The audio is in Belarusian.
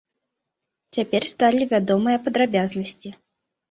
Цяпер сталі вядомыя падрабязнасці.